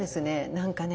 何かね